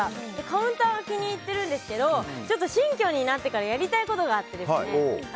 カウンターが気に入ってるんですけど新居になってからやりたいことがあって。